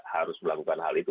harus melakukan hal itu